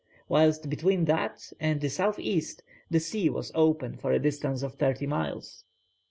whilst between that and the S.E. the sea was open for a distance of thirty miles.